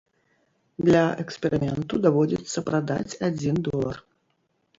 Для эксперыменту даводзіцца прадаць адзін долар.